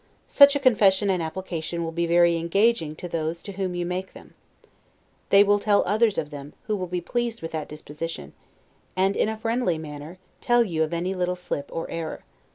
Such a confession and application will be very engaging to those to whom you make them. They will tell others of them, who will be pleased with that disposition, and, in a friendly manner, tell you of any little slip or error.